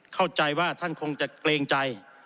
เข้าใจว่าท่านคงจะเกรงใจ